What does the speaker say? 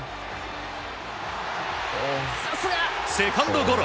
セカンドゴロ。